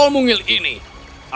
aku tidak mengerti apa kau berbohong